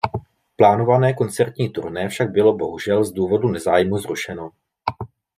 Plánované koncertní turné však bylo bohužel z důvodu nezájmu zrušeno.